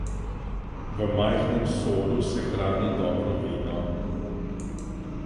V majhnem sodu se hrani dobro vino.